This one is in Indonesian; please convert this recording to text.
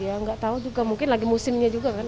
ya nggak tahu juga mungkin lagi musimnya juga kan